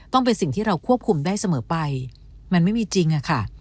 ต้องเป็นสิ่งที่เราควบคุมได้เสมอไปมันไม่มีจริงอะค่ะ